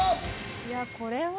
いやこれは。